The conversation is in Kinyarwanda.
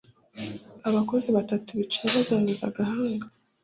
abakozi batatu bicaye bazunguza agahanga